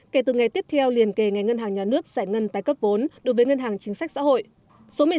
kể từ ngày tiếp theo liền kề ngày ngân hàng nhà nước giải ngân tái cấp vốn đối với ngân hàng chính sách xã hội